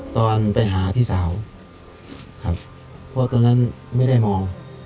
ตอนไปหาพี่สาวครับเพราะตอนนั้นไม่ได้มอง